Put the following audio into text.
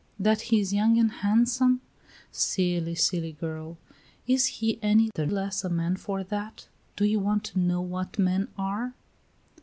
That he is young, and handsome? Silly, silly girl. Is he any the less a man for that? Do you want to know what men are?"